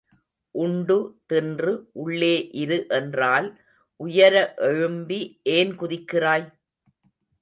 உண்டு தின்று உள்ளே இரு என்றால் உயர எழும்பி ஏன் குதிக்கிறாய்?